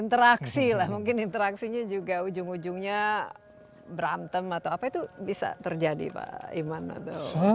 interaksi lah mungkin interaksinya juga ujung ujungnya berantem atau apa itu bisa terjadi pak iman atau